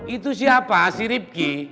itu siapa si ripki